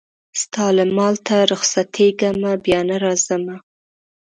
ستا له مالته رخصتېږمه بیا نه راځمه